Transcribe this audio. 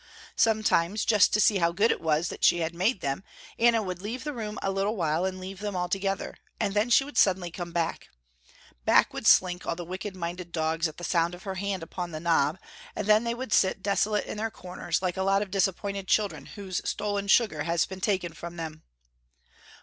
Sometimes just to see how good it was that she had made them, Anna would leave the room a little while and leave them all together, and then she would suddenly come back. Back would slink all the wicked minded dogs at the sound of her hand upon the knob, and then they would sit desolate in their corners like a lot of disappointed children whose stolen sugar has been taken from them.